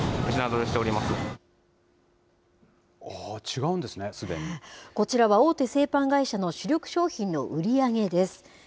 違うんですね、こちらは、大手製パン会社の主力商品の売り上げです。